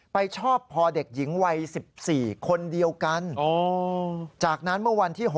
ชอบพอเด็กหญิงวัย๑๔คนเดียวกันจากนั้นเมื่อวันที่๖